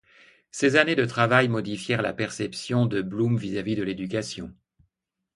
Ces années de travail modifièrent la perception de Bloom vis-à-vis de l'éducation.